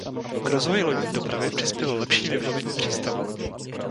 K rozvoji lodní dopravy přispělo lepší vybavení přístavů.